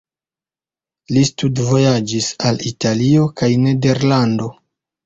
Li studvojaĝis al Italio kaj Nederlando.